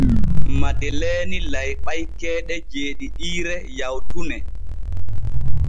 Madeleeni layɓay keeɗe jeeɗiɗiire yawtune.